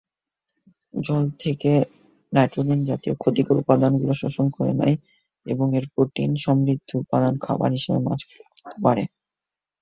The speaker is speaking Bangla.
জল থেকে নাইট্রোজেন জাতীয় ক্ষতিকর উপাদানগুলি শোষণ করে নেয় এবং এর প্রোটিন সমৃদ্ধ উপাদান খাবার হিসেবে মাছ গ্রহণ করতে পারে।